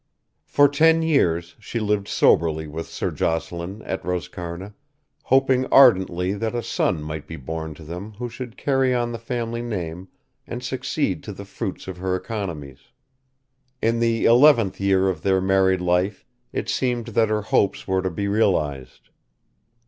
For ten years she lived soberly with Sir Jocelyn at Roscarna, hoping ardently that a son might be born to them who should carry on the family name and succeed to the fruits of her economies. In the eleventh year of their married life it seemed that her hopes were to be realised.